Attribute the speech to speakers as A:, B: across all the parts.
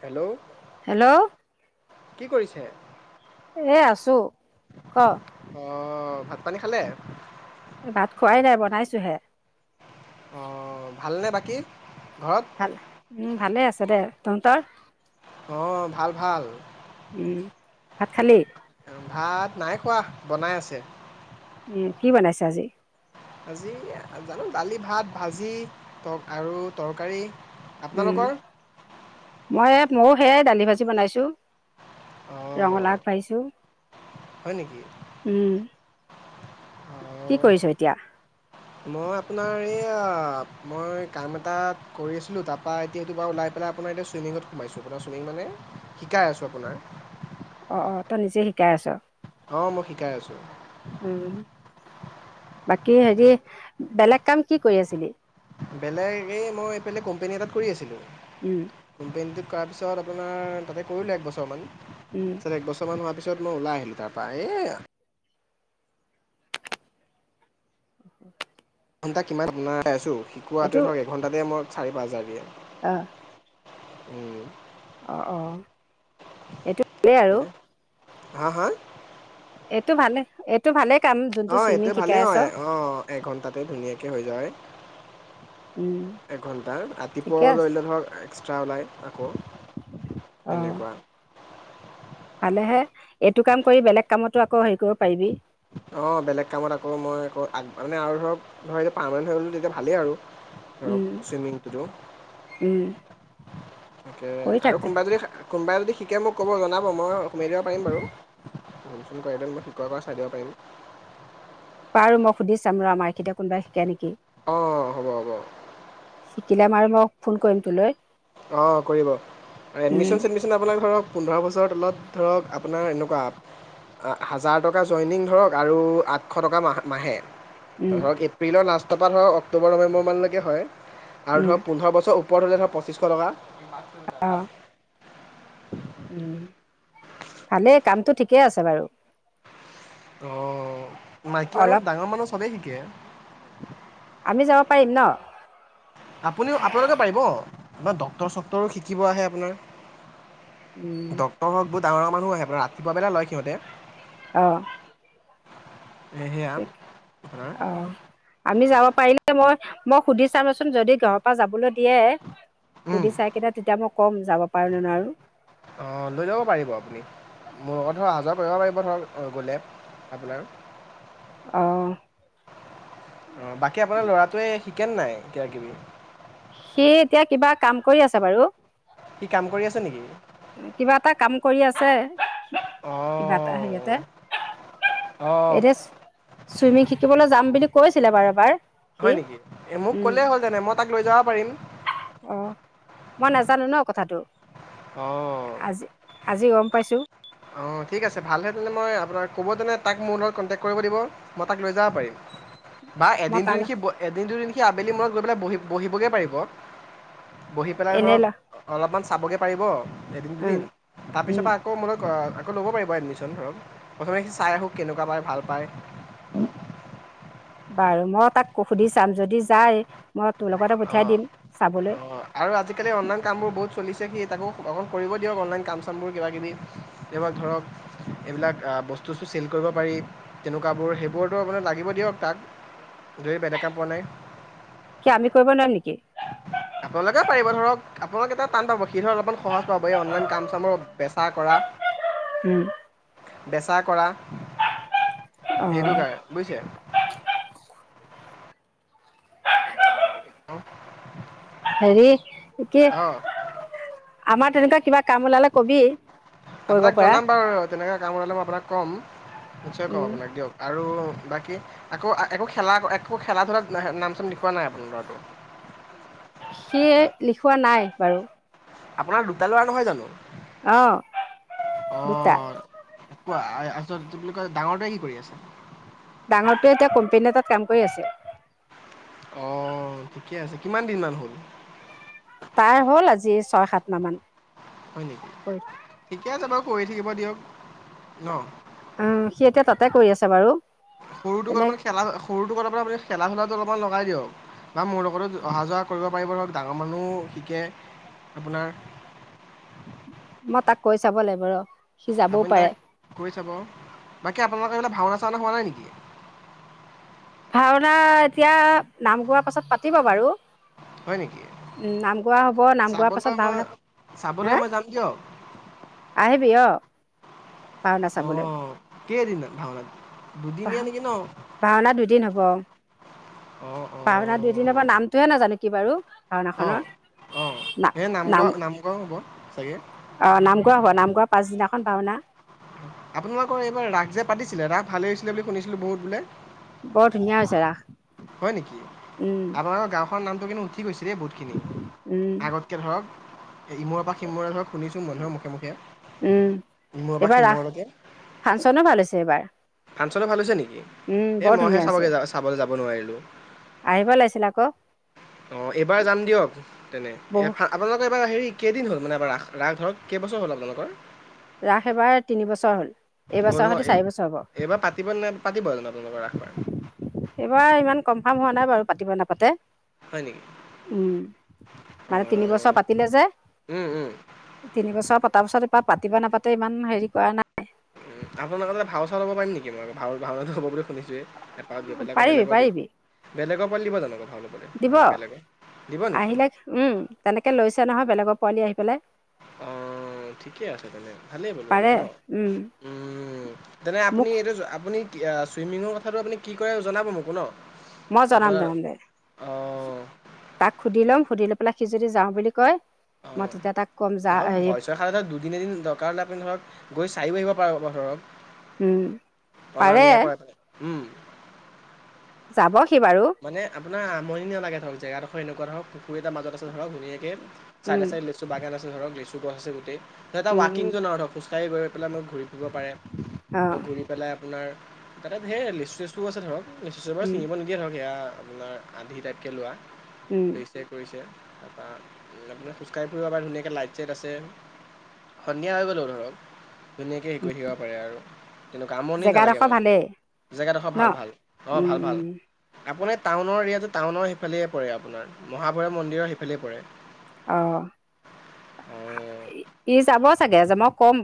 A: Hello,
B: hello
A: কি কৰিছে?
B: এই আছো ক।
A: অঁ, ভাত পানী খালে?
B: ভাত খোৱাই নাই বনাইছোহে।
A: অ, ভালনে বাকী ঘৰত?
B: উম, ভালে আছে দে তহঁতৰ।
A: অঁ, ভাল ভাল।
B: উম, ভাত খালী।
A: ভাত নাই খোৱা, বনাই আছে।
B: উম, কি বনাইছে আজি?
A: আজি জানো, দালি, ভাত, ভাজি তৰ আৰু তৰকাৰী।
B: উম।
A: আপোনালোকৰ
B: মই এইয়াত, ময়ো সেয়াই দালি ভাজি বনাইছো,
A: অঁ
B: ৰঙালাও আগ পাৰিছোঁ।
A: হয় নেকি?
B: উম, কি
A: অঁ
B: কৰিছ এতিয়া?
A: মই আপোনাৰ এইয়া, মই কাম এটা কৰি আছিলোঁ তাৰপৰা এতিয়া এইটো বাৰু ওলাই পেলাই আপোনাৰ এতিয়া চুইমিংত সোমাইছোঁ আপোনাৰ চুইমিং মানে শিকাই আছো আপোনাৰ।
B: অঁ, অঁ, তই নিজে শিকাই আছ?
A: অ, মই শিকাই আছো।
B: উম, বাকী হেৰি, বেলেগ কাম কি কৰি আছিলি?
A: বেলেগ এই মই এইফালে কোম্পানী এটাত কৰি আছিলো।
B: উম।
A: কোম্পানীটোত কৰাৰ পিছত আপোনাৰ তাতে কৰিলো একবছৰমান
B: উম
A: পিছত এক বছ ছমান হোৱাৰ পিছত মই ওলাই আহিলো তাৰপৰা এই ঘণ্টা কিমান আপোনাৰ পাইছোঁ
B: এইটো
A: শিকোৱাটোৱে ধৰ, এঘণ্টাতে মই চাৰি, পাঁচ হাজাৰ দিয়ে।
B: অ।
A: উম।
B: অঁ, অঁ।
A: কেলে? হা, হা!
B: এইটো ভালে, এইটো ভালে কাম, যোনটো
A: অঁ
B: চুইমিং
A: এইটোৱে
B: শিকাই
A: ভালেই
B: আছ।
A: হয় অঁ এঘণ্টাতে ধুনীয়াকে হৈ যায়।
B: উম
A: এঘন্টা
B: ঠিকে
A: ৰাতিপুৱা
B: আছে
A: ধৰিলে ধৰক এক্সট্ৰা ওলায়। আকৌ তেনেকুৱা।
B: ভালেহে, এইটো কাম কৰি বেলেগ কামতো আকৌ হেৰি কৰিব পাৰিবি।
A: অঁ বেলেগ কামত আকৌ মই আকৌ আ মানে আৰু ধৰক ধৰা এতিয়া পাৰমানেণ্ট হৈ গ'লো তেতিয়া ভালেই আৰু ধৰক চুইমিংটো।
B: উম।
A: তাকে আৰু কোনোবা যদি হা, কোনোবাই যদি শিকে মোক ক'ব জনাব, মই সোমাই দিব পাৰিম বাৰু। ফোন - চোন কৰেহেঁতেন মই শিকোৱাৰ পৰা চাই দিব পাৰিম।
B: পাৰো মই সুধি চাম ৰ আমাৰ এখীতিয়া কোনোবাই শিকে নেকি?
A: অ, হ'ব হ'ব।
B: শিকিলে মই আৰু মই ফোন কৰিম তোলৈ।
A: অ, কৰিব, এডমিশন - ছেডমিছ শন আপোনাক ধৰক, পোন্ধৰ বছৰৰ তলত ধৰক আপোনাৰ এনেকুৱা আপ অ হাজাৰ টকা জইনিং ধৰক আৰু আঠশ টকা মাহ মাহে। ধৰক, এপ্ৰিলৰ লাষ্টপৰা ধৰক অক্টোবৰ, নৱেম্বৰ মানলৈকে হয়, আৰু ধৰক পোন্ধৰ বছৰ ও পৰ হলে ধৰ পঁচিছশ টকা।
B: উম, ভালেই কামটো ঠিকে আছে বাৰু।
A: অ, মাইকী মানুহ
B: অলপ
A: ডাঙৰ মানুহ চবে শিকে।
B: আমি যাব পাৰিম ন?
A: আপুনিও, আপোনালোকে পাৰিব। আমাৰ ডক্টৰ - চক্টৰো শিকিব আহে আপোনাৰ।
B: উম।
A: নহক বহু ডাঙৰ মানুহ আহে পোৰা ৰাতিপুৱা পেলাই লয় সিঁহতে।
B: অ।
A: সেয়া
B: কৈক
A: আপোনাৰ
B: আৰু আমি যাব পাৰিলে, মই মই সুধি চামচোন, যদি ঘৰৰ পৰা যাবলৈ দিয়ে সুধি চাই সেইটা তেতিয়া মই ক'ম যাব পাৰোনে নোৱাৰোঁ?
A: অ লৈ যাব পাৰিব আপুনি। মোৰ লগত ধৰক অহা যোৱা কৰিব পাৰিব ধৰক গ'লে আপোনাৰ। অ,
B: অঁ
A: বাকী আপোনাৰ লৰাটোৱে শিকেন নাই এতিয়া কিবি - কিবি?
B: সি এতিয়া কিবা কাম কৰি আছে বাৰু।
A: সি কাম কৰি আছে নেকি
B: কিবা এটা কাম কৰি আছে। কি বা এটা হেৰিয়তে।
A: অ।
B: এতিয়া চুইমিং শিকিবলৈ যাম বুলি কৈছিলে বাৰু এবাৰ। সি
A: হয় নেকি? এ মোক
B: উম
A: ক'লেই হল জানে মই তাক লৈ যাব পাৰিম।
B: অ। মই নাজানো ন কথাটো।
A: অঁ।
B: আজি আজি গম পাইছোঁ।
A: অঁ ঠিক আছে, ভালহে তেন্তে মই আপোনাক ক'ব তেনে তাক মোৰ লগত কণ্টেক্ট কৰিব দিব। মই তাক লৈ যাব পাৰিম। বা
B: মই
A: এদিন দুদিন
B: তালৈ
A: সি, এদিন দুদিন সি আবেলি মূৰত গৈ পেলাই বহি বহিবগে পাৰিব। বহি পেলাই
B: এনেই
A: ধৰক,
B: ল
A: অলপমান চাবগে পাৰিব এদিন
B: উম
A: দুদিন। তাৰ পিছৰ
B: উম
A: পৰা আকৌ মোলৈ আকৌ ল'ব পাৰিব এডমিছন ধৰক। প্ৰথমে সি চাই আহক কেনেকুৱা পায় ভাল পায়,
B: বাৰু মই তাক সুধি চাম, যদি যায় মই তোৰ লগতে পঠিয়াই
A: অঁ
B: দিম চাবলৈ
A: অঁ। আৰু আজিকালি অনলাইন কামবোৰ বহুত চলিছে সি তাকো অকণ কৰিব দিয়ক অনলাইন কাম চামবোৰ কিবাকিবি, এইবাৰ ধৰক এইবিলাক বস্তু চেল কৰিব পাৰি। তেনেকুৱাবোৰ সেইবোৰতো আপোনাৰ লাগিব দিয়ক তাক। যদি বেলেগ কাম পোৱা নাই।
B: কিয় আমি কৰিব নোৱাৰিম নেকি?
A: আপোনালোকেও পাৰিব ধৰক, আপোনালোকে এটা টান পাব সি ধৰক অলপমান সহজ পাব এই অনলাইন কাম চামৰ বেচা কৰা। [inaudible]
B: উম।
A: বেচা কৰা।
B: অ
A: সেইটো কাৰন বুজিছে? হ [unintelligible]
B: হেৰি, কি আমাৰ তেনেকুৱা কিবা কাম ওলালে কবি কৰিব পৰা।
A: তেনেকা কাম ওলালে মই আপোনাক ক'ম। নিশ্চয় ক'ম
B: উম,
A: আপোনাক দিয়ক। আৰু বাকী, আকৌ একো খেলা একো খেলা ধূলাত নাম চাম লিখুওৱা নাই আপোনাৰ ল'ৰাটোৰ?
B: সি লিখোৱা নাই বাৰু।
A: আপোনাৰ দুটা লৰা নহয় জানো?
B: অ
A: অ,
B: দুটা
A: কোৱা আছল কি বুলি কয় ডাঙৰটোৱে কি কৰি আছে?
B: ডাঙৰটোৱে এতিয়া কোম্পানী এটাত কাম কৰি আছে।
A: অ ঠিকে আছে, কিমান দিন মান হ'ল?
B: তাৰ হ'ল আজি ছয় সাত মাহ মান।
A: হয় নেকি?
B: কৰি
A: ঠিকে আছে বাৰু কৰি থাকিব দিয়ক, ন?
B: উম সি এতিয়া তাতে কৰি আছে বাৰু।
A: সৰুটোক
B: তেনে
A: অলপমান খেলা সৰুটোক অলপমান আপুনি খেলা ধূলাত অলপমান লগাই দিয়ক। বা মোৰ লগতো অহা যোৱা কৰিব পাৰিব ধৰক ডাঙৰ মানুহো শিকে। আপোনাৰ
B: মই তাক কৈ চাব লাগিব ৰ। সি যাবও
A: আপুনি
B: পাৰে
A: তাক কৈ চাব। বাকী আপোনালোকৰ সেইফালে ভাওনা চাওনা হোৱা নাই নেকি?
B: ভাওনা এতিয়া নাম গোৱাৰ পাছত পাতিব বাৰু।
A: হয় নেকি?
B: নাম গোৱা হ'ব, নাম গোৱাৰ পাছত
A: চাবলৈ মই
B: ভাওনা,
A: চাবলৈ
B: হা?
A: মই যাম দিয়ক।
B: আহিবি অ, ভাওনা চাবলৈ।
A: কেই দিন ভাওনাত
B: ভা,
A: দুদিনীয়া নেকি ন?
B: ভাওনা দুদিন হ'ব
A: অ' অ'
B: ভাওনা দুদিনত তাৰ, নামটোহে নাজানো কি বাৰু? ভাওনাখনৰ
A: অ', অ', সেই নাম ঘোৱা, নামঘৰত হ'ব চাগে।
B: অ, নাম গৰ হ নামঘোৱাৰ পাছদিনাখন ভাওনা।
A: আপোনালোকৰ এইবাৰ ৰাস যে, পাতিছিলে ৰাস ভালেই হৈছিলে, বুলি শুনিছিলোঁ বহুত বোলে।
B: বৰ ধুনীয়া হৈছে ৰাস।
A: হয় নেকি
B: উম
A: আপোনালোকৰ গাঁওখনৰ নামটো কিন্তু উঠি গৈছে, দেই বহুতখিনি
B: উম
A: আগত তকে ধৰক ইমূৰ পৰা সিমূৰে ধৰক শুনিছোঁ মানুহৰ মুখে, মুখে।
B: উম
A: ইমূৰৰ পৰা
B: এইবাৰ ৰাস
A: সিমূৰলৈকে।
B: ফাংচনো ভাল হৈছে এইবাৰ।
A: ফাংচনটো ভাল হৈছে নেকি।
B: উম
A: এই
B: বৰ
A: মইহে
B: ধুনীয়া হৈছে
A: চাবগৈ, চাবলে যাব নোৱাৰিলোঁ।
B: আহিব লাগিছিল আকৌ।
A: অ, এইবাৰ যাম দিয়ক তেনে
B: বহু
A: আপোনালোকৰ এইবাৰ হেৰি কেইদিন হ'ল মানে এবাৰ ৰাস ধৰক কেইবছৰ হ'ল আপোনালোকৰ।
B: ৰাস এবাৰ তিনিবছৰ হ'ল,
A: হ'ল
B: এইবছৰ
A: ন
B: সৈতে,
A: এই
B: চাৰি বছৰ হ'ব।
A: এইবাৰ পাতি নে নাপাতিব জানো, আপোনালোকৰ এইবাৰ
B: সেইবাৰ ইমান কমফাৰ্ম হোৱা নাই বাৰু পাতিব, নাপাতে।
A: হয় নেকি
B: উম, মানে তিনি বছৰ
A: অঁ
B: পাতি পাতিলে যে তিনি বছৰ পতাৰ পিছত ইপাৰ পাতিবা নাপাতে ইমান হেৰি কৰা নাই।
A: আপোনালোকৰতে ভাও, চাও'ব পাৰি নেকি মই ভাওনা হ'ব বুলি শুনিছোৱেই। এপাক বিলাকৰ
B: পাৰিবি
A: বেলেগৰ দি'ব
B: পাৰিবি
A: বেলেগৰওপৰত দি'ব জান ভাল। বেলেগৰ দি'ব নেকি।
B: উম, তেনেকে লৈছে নহয়, বেলেগৰ পোৱালি আহি, পেলাই।
A: অ, ঠিকে আছে। তেনে ভালেই ব'লো মানে
B: পাৰে
A: ন।
B: উম,
A: উম, তেনে আপুনি
B: মোক
A: এইটো, আপুনি কি ছুইমিঙৰ কথাটো, আপুনি কি কৰে, জনাব মোক ন।
B: মই জনাম
A: আপোনাৰ
B: জনাম দে,
A: অঁ
B: তাক সুধি ল'ম সুধি লৈ পেলাই, সি যদি যাওঁ বুলি কয়, মই তেতিয়া তাক ক'ম যা হে
A: তাৰ পিছত ধৰক দুদিন এদিন দৰকাৰ হ'লে আপুনি ধৰক গৈ চাইও আহিব পাৰা ধৰক।
B: উম।
A: অনা,
B: পাৰে
A: নিয়া কৰা উম।
B: যাবহি বাৰু।
A: মানে আপোনাৰ আমনি নালাগে ধৰক, জেগাডোখৰ এনেকুৱা ধৰক এটা মাজত আছে ধৰ, ধুনীয়াকৈ চাইডে,
B: উম
A: চাইড লৈ চ, বাগান আ, ধৰক লিচু, গছ আছে, গোটেই ধৰক এটা
B: উম উম
A: ৱাকিং জননৰ ধৰক খোজকাঢ় গৈ পেলাই মই, ঘূৰি উঠিব পাৰে,
B: অ
A: ত, ঘূৰি পেলাই আপোনাৰ তাতে ধেইৰ লিচু, চেচুও আছে ধৰক।
B: উম
A: ছিঙিব নিদিয়ে ধৰক এয়া আপোনাৰ আধি টাইতকে লোৱা
B: উম
A: ব কৰিছে তাৰপৰা আপোনাৰ খোজকাঢ়িবৰেও আৰ ধুনীয়াকৈ লাইট, চাইট আছে। সন্ধিয়া হৈ গ'লো ধৰক, ধুনীয়াকে হেৰি কৈ থাকিব পাৰে আৰু তেনেকুৱা আমনি নালাগে
B: জেগাডোখৰ ভালেই
A: মানে জেগাডোখৰ
B: ন
A: ভাল, ভাল অ,
B: উম
A: ভাল, ভাল
B: উম
A: আপোনাৰ টাউনৰ এৰিয়াটো টাউনৰ সিফালে পৰে। আপোনাৰ মহাভৈৰৱ মন্দিৰৰ সিফালে পৰে।
B: অ,
A: অঁ
B: ই যাব চাগে, যে মই ক'ম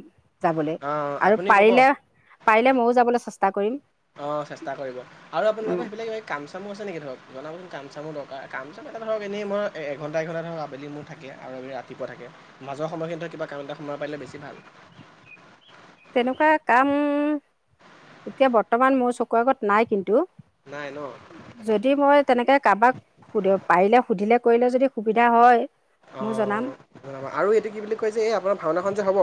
B: যাবলৈ
A: অঁ
B: আৰু
A: আপুনি ক'ব
B: পাৰিলে, পাৰিলে ময়ো যাবলে চেষ্টা কৰিম।
A: অ, চেষ্টা কৰিব আৰু
B: অ
A: আপোনালোকৰ সেইবিলাক কিবাকিবি কামচামু আছে নেকি ধৰক জনাবচোন কামচামুৰ দৰকাৰ, কামচাম এটা ধৰক এনেই মই এঘণ্টা, এঘণ্টা ধৰক আবেলি মোৰ থাকে আৰু আমি ৰাতিপুৱা থাকে মাজৰ সময়খিন ধৰ কিবা কাম এটা সোমাই পাৰিলে বেছি ভাল।
B: তেনেকুৱা কাম এতিয়া বৰ্তমান মোৰ চকুৰ আগত নাই কিন্তু।
A: নাই, ন'।
B: যদি মই তেনেকে কাৰোবাক সু, পাৰিলে সুধিলে, কৰিলে যদি সুবিধা হয়। মই জনাম।
A: অঁ আৰু এইটো কি বুলি কয় যে, এই আপোনাৰ ভাওনাখন যে হ'ব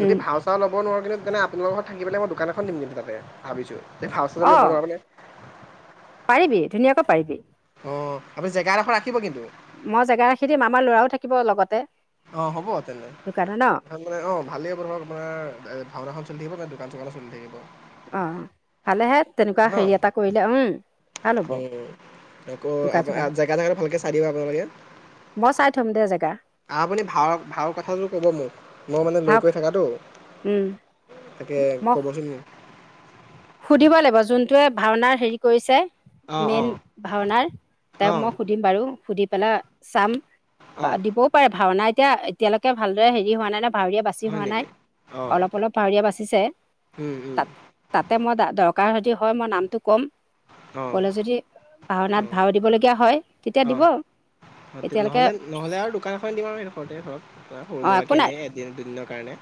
A: যদি ভা ভাও চাওঁ লব নোৱাৰোঁ কিন্তু আপোনাল ঘৰত, থাকি পেলাই, মই দোকানখন দিম গে কিন্তু তাতে ভাবিছোঁ যে, ভাও চাউ
B: অঁ
A: ল'বোৱাৰো
B: পাৰিবি ধুনীয়াকৈ পাৰিবি
A: অ' আপুনি জেগা এডোখৰ ৰাখিব কিন্তু।
B: মই জেগা ৰাখি দিম আমাৰ ল'ৰাও থাকিব লগতে।
A: অ' হ'ব তেনে
B: দোকানত ন
A: [inaudible] মানে অ' ভালেই হ'ব ধৰক আপোনাৰ ভাওনাখন চলি থাকিব দোকান চোকানো চলি থাকিব।
B: অ' ভালেহে তেনেকুৱা
A: ন
B: হেৰি এটা কৰিলে উম। ভাল হ'ব
A: উম আকৌ
B: দোকান চোকান
A: আ জেগা জেগাত ভালকে চাই দিব আপোনালোকে।
B: মই চাই থম দে জেগা।
A: আপুনি ভাও ভাওৰ কথাটো ক'ব মোক। মই মানে
B: ভাও
A: লৈ কৈ থাকাটো
B: উম,
A: তাকে
B: মই
A: কবচোন।
B: সুধিব লাগিব যোনটোৱে ভাওনাৰ হেৰি কৰিছে
A: অঁ
B: মেইন
A: অঁ
B: ভাওনাৰ তেওঁক
A: অঁ
B: মই সু সুধিম বাৰু সুধি পেলাই চাম বা
A: অঁ
B: দিব ভাওনা এতিয়া এতিয়ালৈকে ভালদৰে হেৰি হোৱা নাই ন ভাৱৰীয়া বা বেচি
A: হয়
B: হোৱা নাই
A: নেকি অঁ
B: অলপ অলপ ভাৱৰীয়া বাচিছে তাত। তাতে মই দৰকাৰ যদি হয় মই নামটো ক'ম।
A: অঁ অঁ
B: ক'লে যদি ভাওনাত
A: অঁ।
B: ভাও দিবলগীয়া হয়। তেতিয়া দিব
A: অ',
B: এতিয়ালৈকে।
A: নহ'লে নহ'লে আৰু দোকান এখন দিম আৰু সেই দখৰতে ধৰক সৰু
B: অ', একো
A: মুৰাকে
B: নাই
A: এনেয়ে এদিন দুদিনৰ কাৰণে।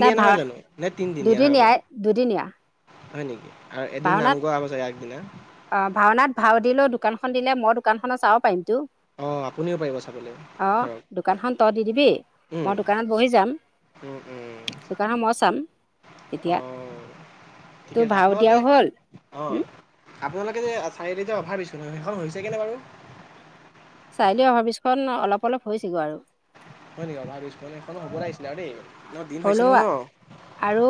B: নাই ভাও
A: নহয় জানো, নে তিনিদিনীয়া হব
B: দুদিনীয়াই দুদিনীয়া
A: হয় নেকি আৰু এদিন নাম
B: ভাওনাত
A: গোৱা হব চাগে আগদিনা।
B: অ' ভাওনাত ভাও দিলেও দোকানখন দিলে মই দোকানখন চাব পাৰিমতো।
A: অ' আপুনিও পাৰিব চাবলৈ
B: অ
A: ধৰক।
B: দোকানখন তই দি দিবি
A: উম,
B: মই দোকানত বহি যাম।
A: উম, উম,
B: দোকানখন মই চাম তেতিয়া।
A: ঠিক
B: তোৰ
A: আছে
B: ভাও দিয়াও
A: আপোনালোকে।
B: হ'ল
A: অ' আপোনালোকে যে চাৰিআলিতে অভাৰ ব্ৰীজ খন সেইখন হৈছেগেনে বাৰু?
B: চাৰিআলিৰ অভাৰব্ৰীজ খন অলপ অলপ হৈছেগে আৰু।
A: হয় নেকি? অভাৰব্ৰীজখন সেইখন হ'ব লাগিছিলে আৰু দেই। ন দিন হৈছে
B: হ'লেও
A: নহয় ন
B: আৰু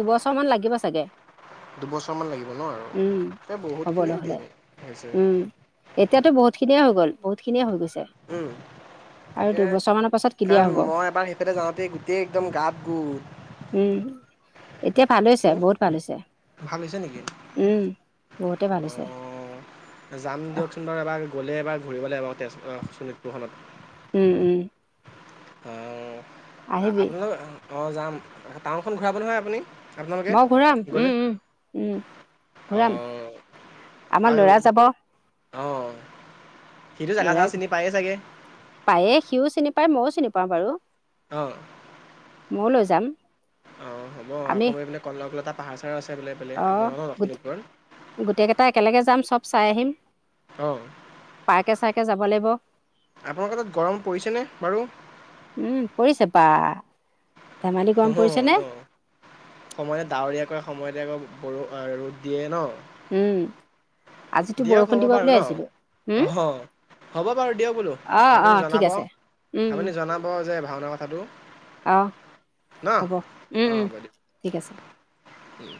B: দুবছৰমান লাগিব চাগে।
A: দুবছৰমান লাগিব ন'
B: উম
A: আৰু এ বহুতখিনিয়ে দিন হৈছে।
B: এতিয়াটো বহুত খিনিয়ে হৈ গ'ল বহুতখিনিয়ে হৈ গৈছে।
A: উম
B: আৰু
A: তাকে
B: দুবছৰমানৰ পাছত ক্লিয়াৰ হ'ব
A: কাৰণ মই এবাৰ সেইফালে। সেইফালে যাওঁতে গোটেই একদম গাত গোঁ।
B: উম। এতিয়া ভাল হৈছে বহুত ভাল হৈছে
A: ভাল হৈছে নেকি?
B: উম বহুতে ভাল হৈছে।
A: অ'। যাম দিয়কচোন বাৰু এবাৰ গ'লে এবাৰ ঘূৰিব লাগিব এবা তেজপুৰ আহ শোণিতপুৰখনত।
B: উম -উম
A: অ'
B: আহিবি
A: আপোনালোক অ' যাম টাউনখন ঘূৰাব নহয় আপুনি? আপোনালোকে?
B: মই ঘূৰাম
A: গ'লে?
B: উম উম ঘূৰাম
A: অঁ
B: আমাৰ ল'ৰা যাব।
A: অ, সিটো জাগা চা
B: ল'ৰাই
A: চিনি পায়ে চাগে?
B: পায়ে সিও চিনি পায় মইও চিনি পাওঁ বাৰু।
A: অ,
B: ময়ো লৈ যাম।
A: অ হ'ব
B: আমি
A: আকৌ এইফালে কনকলতা পাহাৰ চাহাৰো আছে বোলে
B: অঁ
A: আপোনালোক ন
B: গোট
A: লখিতপৰ
B: গোটেইকেইটা একেলগে যাম চব চাই আহিম।
A: অ',
B: পাৰ্কে চাৰ্কে যাব লাগিব।
A: আপোনালোকৰ তাত গৰম পৰিছেনে বাৰু?
B: উম, পৰিছে বা। ধেমালি গৰম
A: অ
B: পৰিছে নে
A: ন সময়ত ডাৱৰীয়া কৰে সময়তে আকৌ বৰ ৰ'দ দিয়ে ন।
B: উম, আজিতো
A: দিয়ক হ'ব
B: বৰষুণ দিব
A: বাৰু
B: বুলি
A: ন
B: ভাবিছিলো হম।
A: অহ হ'ব বাৰু দিয়ক বোলো। আপুনি জনাব,
B: আছে
A: আপুনি জনাব। ভাওনা কথাটো
B: অঁ
A: নহ,
B: হ'ব উম
A: অহ,
B: উম
A: হ'ব দিয়ক।
B: ঠিক আছে
A: উম,